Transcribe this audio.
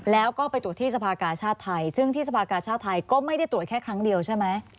แล้วก็ไปตรวจที่สภากาชาติไทยซึ่งที่สภากาชาติไทยก็ไม่ได้ตรวจแค่ครั้งเดียวใช่ไหม